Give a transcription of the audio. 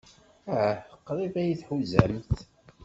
Ah, qrib ay t-tḥuzamt.